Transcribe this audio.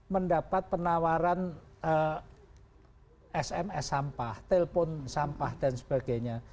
mendapat penawaran sms sampah telpon sampah dan sebagainya